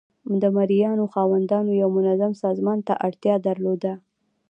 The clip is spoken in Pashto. د مرئیانو خاوندانو یو منظم سازمان ته اړتیا درلوده.